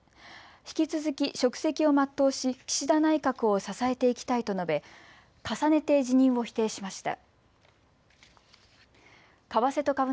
引き続き職責を全うし岸田内閣を支えていきたいと述べ、重ねて辞任を否定しました。